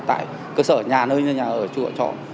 tại cơ sở nhà nơi như nhà ở chỗ